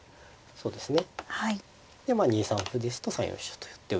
そうですね。